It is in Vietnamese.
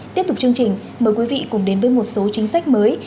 tiếp tục chương trình mời quý vị cùng đến với một số chính sách mới